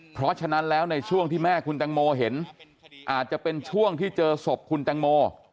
เพราะฉะนั้นแล้วในช่วงที่แม่คุณแตงโมเห็นอาจจะเป็นช่วงที่เจอศพคุณแตงโม